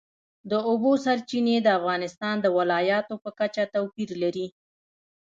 د اوبو سرچینې د افغانستان د ولایاتو په کچه توپیر لري.